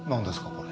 これ。